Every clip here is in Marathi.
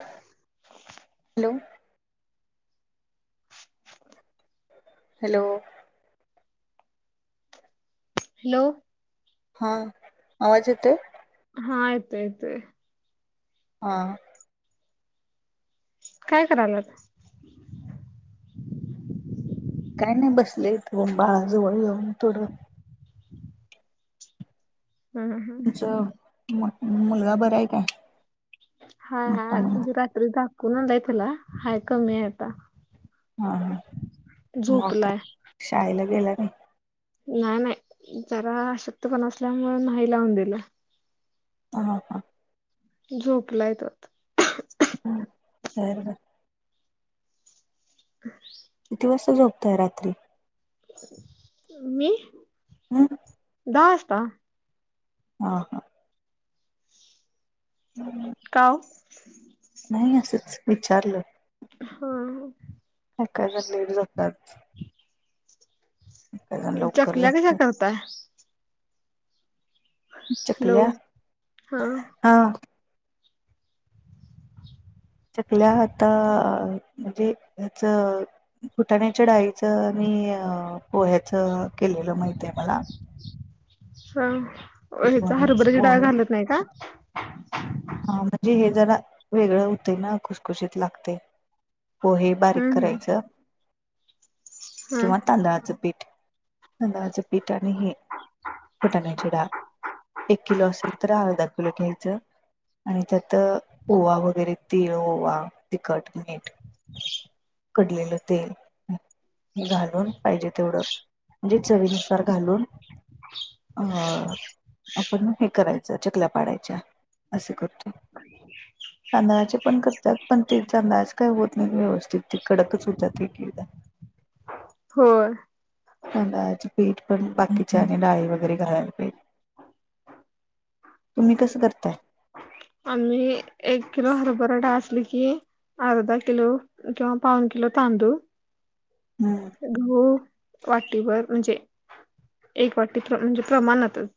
हॅलो हॅलो हॅलो हा आवाज येतोय हा येतोय येतोय हा काय करायलात काय नाही बसलेय त बाळाजवळ येऊन थोडं हम्म हम्म तुमचं मुलगा बर आहे काय हा हा मोठा मुलगा रात्री दाखवून आणलाय त्याला हाय कमी आहे आता हा हा मग झोपलाय काय शाळेला गेला नाही नाही नाही जरा आशक्त पना असल्यामुळे नाही लावून दिलं ह ह झोपलाय तो आता. [inaudible] हम किती वाजता झोपताय रात्री मी हं दहा वाजता ह हा हम् का ओ नाही असंच विचारलं होय ऐकायला [inaudible] जण लवकर चकल्या कश्या झोपतात करताय हॅलो चकल्या हा हा चकल्या आता अ म्हणजे हच फुटाण्याच्या डाळीचं आणि पोह्याचं केलेलं माहित आहे मला हा हेचा दोन्ही हरभऱ्याची डाळ पोहे घालत नाही का? हा म्हणजे हे जरा वेगळं होतंय ना खुसखुशीत लागतंय. पोहे बारीक हम्म हम्म करायचं हा किंवा तांदळाचं पीठ तांदळाच्या बिठा आणि हे फुटाण्याची डाळ एक किलो असेल तर अर्धा किलो घ्यायचं आणि त्यात ओवा वगैरे तीळ ओवा तीखट मीठ कडलेलं तेल घालून पाहिजे तेवढं म्हणजे चवीनुसार घालून अ आपण हे करायचं चकल्या पाडायच्या. असे करतो. तांदळाचे पण करतात पण ते तांदळाचे काय होत नाहीत व्यवस्थित ते कडकच हुत्यात एकेकदा. [inaudible] होय. तांदळाचे पीठ पण बाकीच्या आणि डाळी वगैरे घालायला पाहिजे. तुम्ही कसं करताय? आम्ही एक किलो हरभरा डाळ असली की अर्धा किलो किंवा पाऊन किलो तांदूळ, हम्म गहू वाटीभर म्हणजे एक वाटी म्हणजे प्रमाणातच.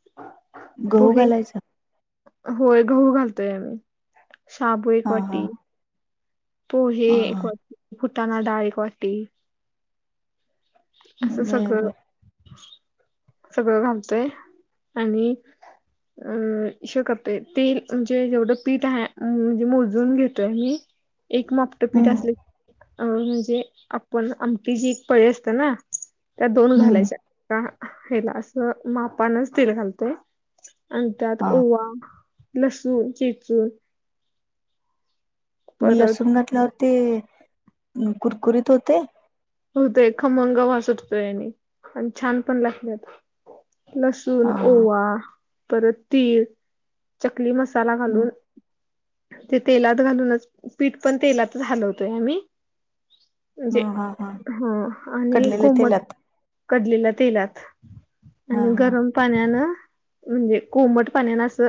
गहू पोहे, घालायचा होय गहू घालतोय आम्ही. शाबु एक हा हा वाटी पोहे हा हा एक वाटी, फुटाना डाळ एक वाटी असं बर सगळं बर सगळं घालतोय आणि अ हे करतोय तेल म्हणजे जेवढं पीठ आहे म्हणजे मोजून घेतोय आम्ही एक माप ट पीठ हम्म असले अ म्हणजे आपण आमटीची एक पळी असते ना त्या दोन हम्म घालायच्या आ हेला असं मापानच तेल घालतोय. अन् त्यात हा ओवा, लसूण चेचूून मग परत लसूण घातल्यावर ते कुरकुरीत होतय? होतय खमंग वास सुटतोय आणि, आणि छान पण लागत्यात. लसूण, हा हा ओवा, परत तीळ, चकली मसा साला हम्म. घालून ते तेलात घालूनच पीठ पण तेलातच हालवतोय आम्ही. हम हा हा. ह आणि कडलेले कोमट तेलात कडलेल्या तेलात हा आणि हा गरम पाण्यानं म्हणजे कोमट पाण्यानं असं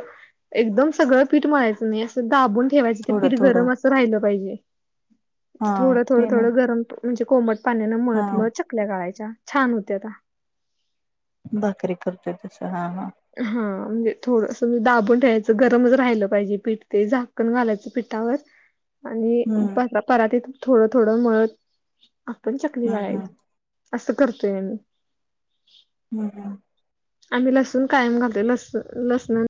एकदम सगळं पीठ मळायचं नाही ते दाबून ठेवायच ते थोडं पीठ थोडं गरम असं राहिलं पाहिजे हा थोडं थोडं ते मग थोडं गरम म्हणजे कोमट पाण्यान हा मळत मळत चकल्या गाळायच्या छान होत्याता. भाकरी करतोय तस हा हा हा म्हणजे थोडंस म्ह दाबून ठेवायचं गरमच राहिलं पाहिजे पीठ ते झाकण घालायचं पीठावर. [inaudible] आणि हम्म परातीत थोडं थोडं मळत आपण चकली हम्म हम्म गाळायची. असं करतोय आम्ही. हम् हम. आम्ही लसूण कायम घालतोय, लस् लसण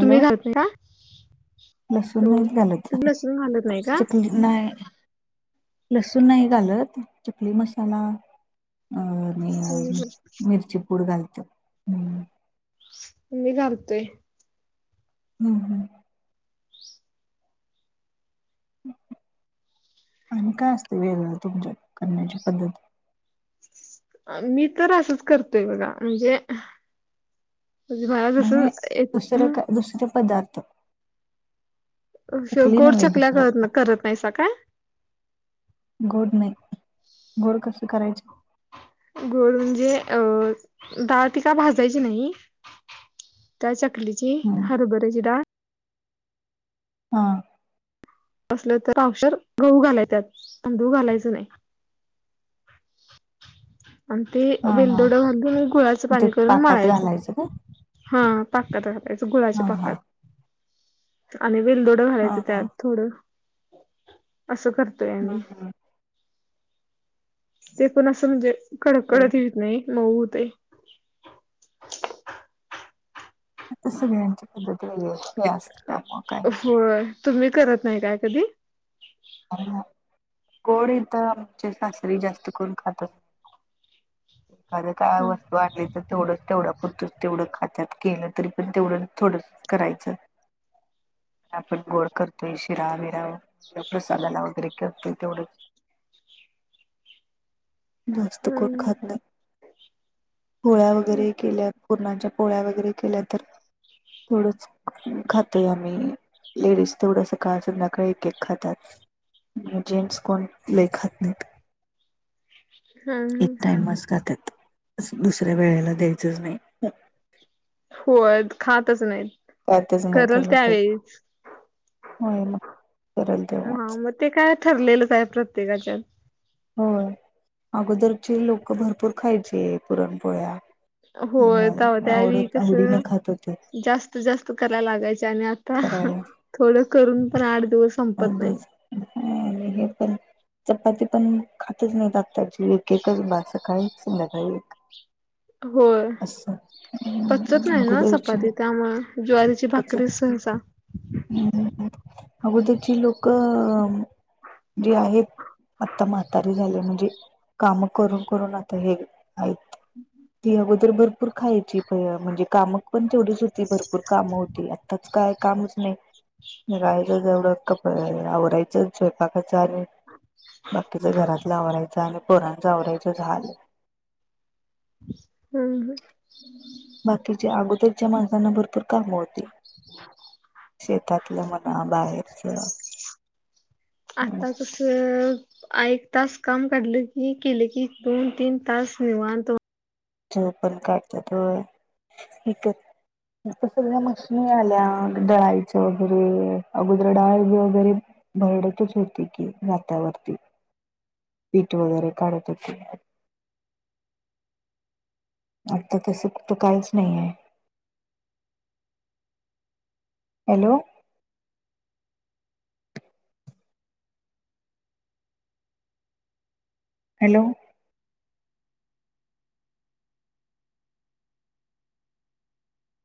हॅलो घालता का? लसूण हॅलो नाहीत घालत तुम्ही लसूण घालत नाही का चकली नाही लसूण नाही घालत, चकली मसाला अ आणि मिरची पूड घालत्यात ह. मी घालतोय. हम्म हम्. आणि काय असतंय वेगळ तुमच्यात करण्याची पद्धत. मी तर असंच करतोय बघा म्हणजे. मला जसं म्हने एक दुसरे दुसरे पदार्थ असं चकली गोड नव्हे चकल्या दुसरं करत नाहीसा काय? गोड नाही, गोड कसं करायच्या? गोड म्हणजे अ डाळ ती का भाजायची नाही. त्या चकलीची हम्म हरभऱ्याची डाळ. हा. असलं तर पावशर गहू घालाय त्यात तांदुळ घालायचं नाही. आणि ते हा हा बिलदोड घालून म गुळाचं ते पाणी करून पाकात मळायच घालायचं का हा पाक त्याच गुळाच्या हा हा पाकात. आणि वेलदोड हा घालायच हा त्यात थोडं असं करत. हम् हम. ते पण असं म्हणजे कडक हम्म कडत येत नाही मऊ होतंय. इथं सगळ्यांची पद्धती वेगळी ये. होय तुम्ही करत नाही काय कधी? गोड इथ आमच्या सासरी जास्त करून खात एखाद काय हा वस्तू आणली तर. तेवढंच तेवढं पुरत तेवढं खात्यात की नाई तरी पण तेवढं थोडं करायचं. आपण गोड करतोय शिरा बिरा प्रसादाला वगैरे करतोय तेवढंच. जास्त कोण हम्म खात नाय. पोळ्या वगैरे केल्यात पूरणांच्या पोळ्या वगैरे केल्या तर थोडच खातोय आम्ही. लेडीज तेवड सकाळ सध्याकाळी एक एक खातात. म्हे जेम्स कोण लय खात नाहीत. एक हम्म टाइमच खातात दुसऱ्या वेळेला द्यायचंच नाही. होय खातच नाहीत. खातच नाही करल त्याला त्यावेळीच होय ना करल हा तेव्हाच. मग ते काय ठरलेलंच आहे प्रत्येकाच. होय, अगोदरचे लोक भरपूर खायचे पुरणपोळ्या. होय ह तवा त्यावेळी आवडत आवडीने कसं खात होते. जास्त जास्त करायला लागायचे आणि आता करायला थोडं करून पण आठ दिवस संपत नाही. हे पण चपाती पण खातच नाही आताची एक एकच बास सकाळीच संध्याकाळी एक होय. असं पचत नाही ना अगोदरची चपाती त्यामुळे ज्वारीची भाकरी सहसा. ह् अगोदरची लोक जे आहेत आता म्हातारी झाले म्हणजे काम करून करून आता हे आहेत. ती अगोदर भरपूर खायची प म्हणजे काम पण तेवढीच होती भरपूर काम तिला आत्ताच काय कामच नाही रायचं जवढं कप आवरायचं स्वयंपाकाच आणि बाकीच्या घरात नवऱ्याच आणि पोरंच आवरायचं झालं. हम् ह. बाकीच्या अगोदरच्या माणसांना भरपूर काम होती. [unintelligible] शेतातलं म्हणा बाहेरच आता कसं एक तास काम काढलं की केले की दोन तीन तास निवांत जो पण काढत तो एकच ता सगळ्या मशनी आल्या डळाळीच्या वगैरे अगोदर डाळ वगैरे भरडतच होते की नाात्यावरती पीठ वगैरे काढत होते. आता तसं कुठं कायच नाहीय. हॅलो. हॅलो.